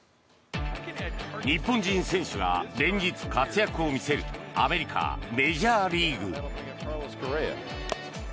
日本人選手が連日活躍を見せるアメリカ・メジャーリーグ。